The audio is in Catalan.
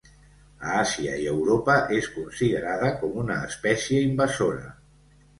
A Àsia i Europa és considerada com una espècie invasora.